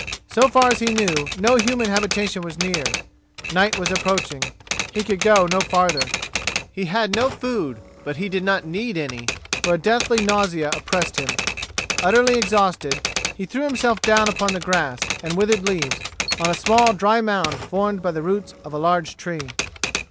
So far as he knew, no human habitation was near. Night was approaching. He could go no farther. He had no food; but he did not need any, for a deathly nausea oppressed him. Utterly exhausted, he threw himself down upon the grass and withered leaves, on a small dry mound formed by the roots of a large tree.